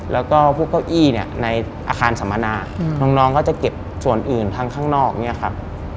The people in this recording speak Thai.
แล้วก็พวกเก้าอี้เนี่ยในอาคารสัมมนาน้องเขาจะเก็บส่วนอื่นทางข้างนอกเนี่ยครับ